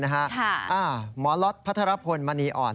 อ่าหมอล็อตพระธรพลมานีอ่อน